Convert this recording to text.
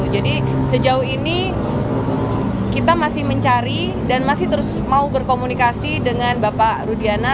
jadi sejauh ini kita masih mencari dan masih terus mau berkomunikasi dengan bapak rudiana